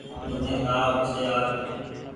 مني تآو ڇي آج۔